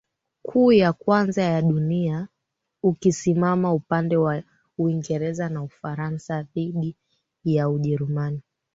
kuu ya kwanza ya dunia ukisimama upande wa Uingereza na Ufaransa dhidi ya Ujerumani